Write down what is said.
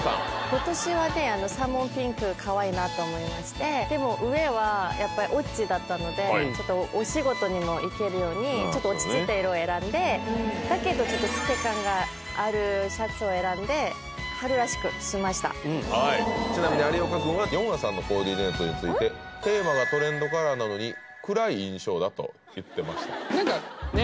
今年はねサーモンピンクかわいいなと思いましてでも上はやっぱり「Ｏｇｇｉ」だったのでちょっとお仕事にも行けるようにちょっと落ち着いた色を選んでだけどちょっと透け感があるシャツを選んで春らしくしましたちなみに有岡君はヨンアさんのコーディネートについて「テーマがトレンドカラーなのに暗い印象だ」と言ってました何かね